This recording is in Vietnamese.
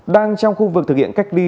đang trong khu vực thực hiện cách ly